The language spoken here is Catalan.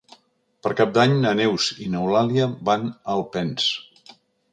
Per Cap d'Any na Neus i n'Eulàlia van a Alpens.